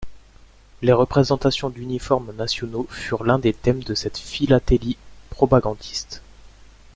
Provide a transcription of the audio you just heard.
Les représentations d'uniformes nationaux furent l'un des thèmes de cette philatélie propagandiste.